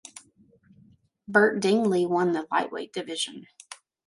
Bert Dingley won the lightweight division.